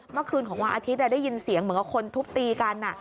เมื่อคืนของวันอาทิตย์ได้ยินเสียงเหมือนกับคนทุบตีกัน